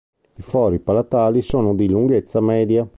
I fori palatali sono di lunghezza media.